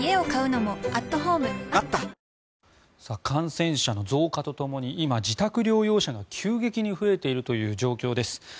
感染者の増加とともに今、自宅療養者が急激に増えているという状況です。